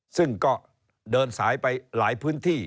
ซึ่งก็เดินสายไปหลายพื้นที่